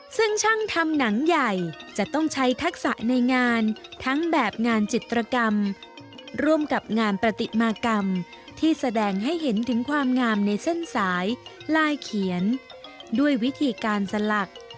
ซึ่งช่างทำหนังใหญ่จะต้องใช้ทักษะในงานทั้งแบบงานจิตรกรรมร่วมกับงานปฏิมากรรมที่แสดงให้เห็นถึงความงามในเส้นสายลายเขียนด้วยวิธีการสลัก